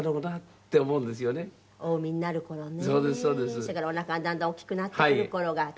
それからおなかがだんだん大きくなってくる頃がちょうど。